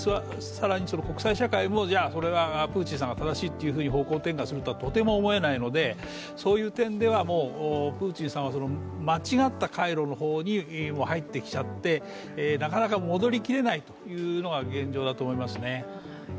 国際社会もそれはプーチンさんが正しいと方向転換するとはとても思えないのでそういう点ではプーチンさんは間違った回路の方に入ってきちゃってなかなか戻りきれないというのが現状だと思いますね。